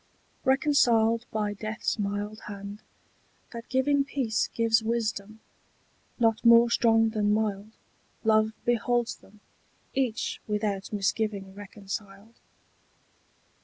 RECONCILED by death's mild hand, that giving Peace gives wisdom, not more strong than mild, Love beholds them, each without misgiving Reconciled.